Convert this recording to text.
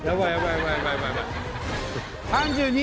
３２